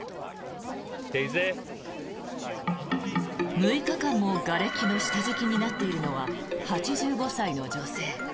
６日間もがれきの下敷きになっているのは８５歳の女性。